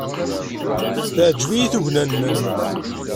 Teɛjeb-iyi tugna-nnem.